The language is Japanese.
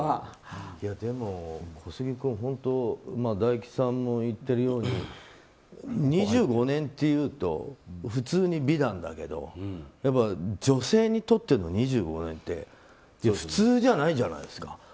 でも小杉君、本当大吉さんも言っているように２５年というと普通に美談だけど女性にとっての２５年って普通じゃないじゃないですか。